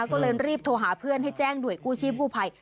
ก็เลยรีบโทรหาเพื่อนให้แจ้งหน่วยกู้ชีพกู้ภัย